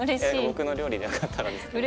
僕の料理でよかったらですけど。